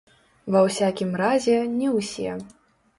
Ва ўсякім разе, не ўсе.